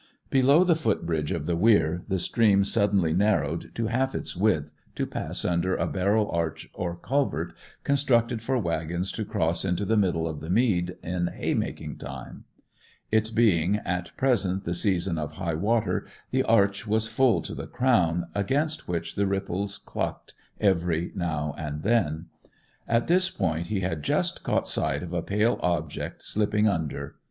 Below the foot bridge of the weir the stream suddenly narrowed to half its width, to pass under a barrel arch or culvert constructed for waggons to cross into the middle of the mead in haymaking time. It being at present the season of high water the arch was full to the crown, against which the ripples clucked every now and then. At this point he had just caught sight of a pale object slipping under.